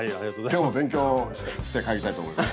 今日も勉強して帰りたいと思います。